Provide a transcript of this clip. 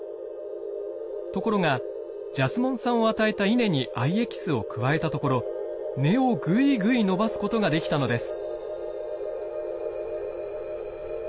ところがジャスモン酸を与えたイネに藍エキスを加えたところ根をグイグイ伸ばすことができたのです。